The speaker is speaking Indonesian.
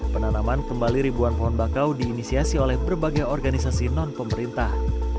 penanaman kembali ribuan pohon bakau diinisiasi oleh berbagai organisasi non pemerintah